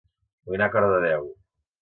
Vull anar a Cardedeu